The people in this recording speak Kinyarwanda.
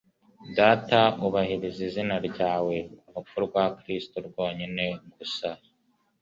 Data ubahiriza izina ryawe!" Urupfu rwa Kristo rwonyine gusa